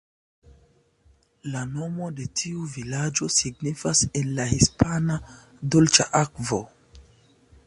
La nomo de tiu vilaĝo signifas en la hispana "Dolĉa akvo".